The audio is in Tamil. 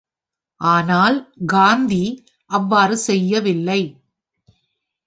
ஆனால் காந்தி அவ்வாறு செய்யவில்லை.